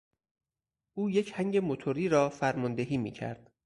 او یک هنگ موتوری را فرماندهی میکرد.